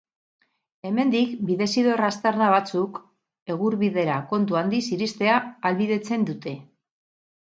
Hemendik, bidezidor aztarna batzuk, Egurbidera kontu handiz iristea ahalbidetzen dute.